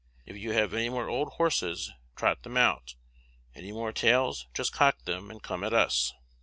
If you have any more old horses, trot them out; any more tails, just cock them, and come at us.